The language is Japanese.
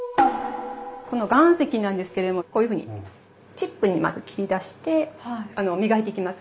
この岩石なんですけれどもこういうふうにチップにまず切り出して磨いていきます。